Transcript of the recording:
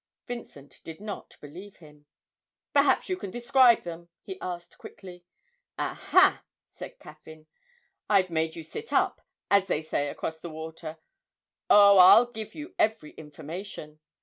Vincent did not believe him. 'Perhaps you can describe them?' he asked quickly. 'Aha!' said Caffyn, 'I've made you sit up, as they say across the water. Oh, I'll give you every information.